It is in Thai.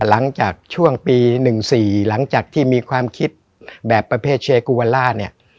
หลังจากช่วงปี๑๔หลังจากที่มีความคิดแบบประเภทเชกูวาล่าเนี่ย